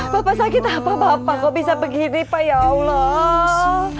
bapak sakit apa bapak kok bisa begini pak ya allah